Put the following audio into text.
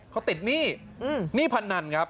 เขาติดหนี้หนี้พนันครับ